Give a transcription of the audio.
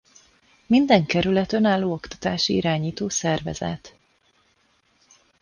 Minden kerület önálló oktatási irányító szervezet.